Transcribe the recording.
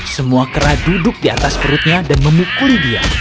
semua kera duduk di atas perutnya dan memukuli dia